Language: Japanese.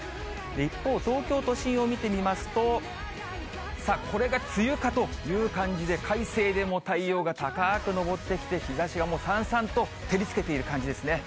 一方、東京都心を見てみますと、これが梅雨かという感じで、快晴で、もう太陽が高く昇ってきて、日ざしがもうさんさんと照りつけている感じですね。